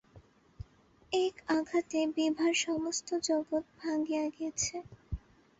এক আঘাতে বিভার সমস্ত জগৎ ভাঙিয়া গেছে।